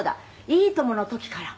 「『いいとも！』の時から？」